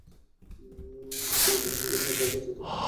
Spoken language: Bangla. মুছে গেছে রহমতগঞ্জের সঙ্গে প্রথমার্ধে অন্তত চারটি গোল নষ্ট করার হতাশা।